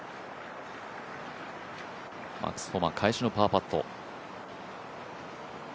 マックス・ホマ、返しのパーパット。